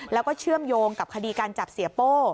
แล้วก็เชื่อมโยงกับคดีการจับเสียโป้